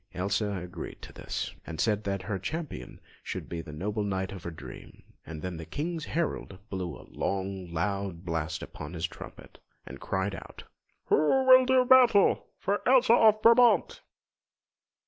Elsa agreed to this, and said that her Champion should be the noble Knight of her dream; and then the King's herald blew a long, loud blast upon his trumpet, and cried out: "Who will do battle for Elsa of Brabant?"